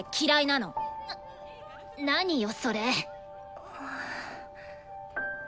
何よそれ。